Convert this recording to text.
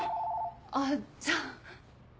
あっじゃあ。